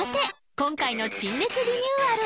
今回の陳列リニューアル